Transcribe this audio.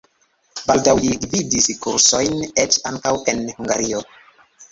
Baldaŭ li gvidis kursojn, eĉ ankaŭ en Hungario.